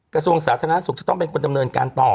กระทรวงสาธารณสุขจะต้องเป็นคนดำเนินการต่อ